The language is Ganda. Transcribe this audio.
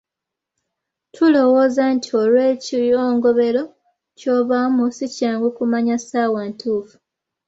Tulowooza nti olw’ekiyongobero ky’obaamu si kyangu kumanya ssaawa ntuufu.